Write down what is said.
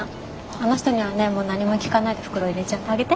あの人にはねもう何も聞かないで袋入れちゃってあげて。